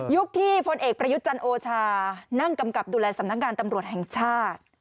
ที่พลเอกประยุทธ์จันทร์โอชานั่งกำกับดูแลสำนักงานตำรวจแห่งชาติ